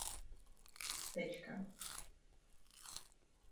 Posledním dílem se stal nedokončený román "Husitský král".